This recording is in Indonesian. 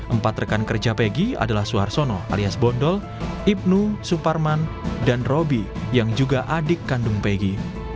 empat rekan kerja peggy adalah suharsono alias bondol ibnu suparman dan roby yang juga adik kandung peggy